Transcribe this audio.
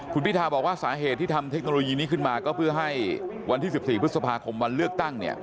คุณพิทาบอกว่าสาเหตุที่ทำเทคโนโลยีนี้ขึ้นมาก็เพื่อให้วันที่๑๔พฤษภาคมวันเลือกตั้ง